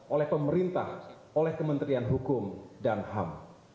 oleh pemerintah oleh kementerian hukum dan ham